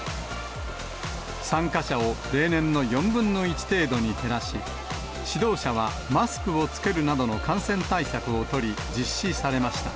参加者を例年の４分の１程度に減らし、指導者はマスクを着けるなどの感染対策を取り、実施されました。